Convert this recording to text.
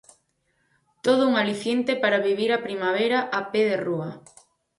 Todo un aliciente para vivir a primavera a pé de rúa.